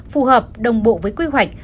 phù hợp đồng bộ với quy hoạch